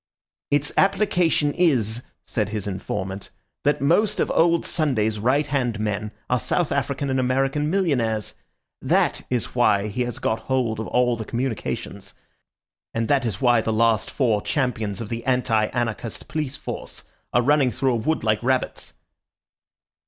"Its application is," said his informant, "that most of old Sunday's right hand men are South African and American millionaires. That is why he has got hold of all the communications; and that is why the last four champions of the anti anarchist police force are running through a wood like rabbits."